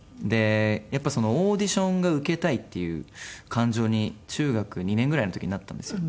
やっぱりオーディションが受けたいっていう感情に中学２年ぐらいの時になったんですよ。